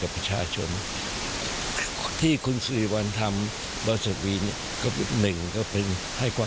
ไปฟังกันค่ะ